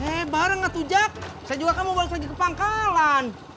he bareng kak tujak saya juga kan mau balik lagi ke pangkalan